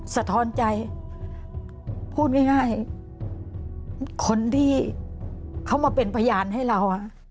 สะท้อนใจพูดง่ายคนที่เขามาเป็นพยานให้เรา